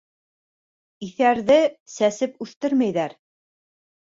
Иҫәрҙе сәсеп үҫтермәйҙәр.